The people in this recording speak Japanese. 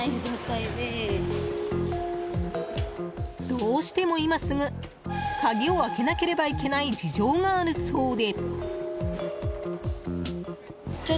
どうしても今すぐ鍵を開けなければいけない事情があるそうで。